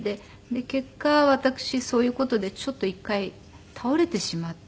結果私そういう事でちょっと一回倒れてしまって。